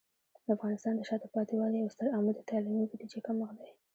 د افغانستان د شاته پاتې والي یو ستر عامل د تعلیمي بودیجه کمښت دی.